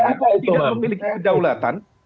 tidak memiliki kedaulatan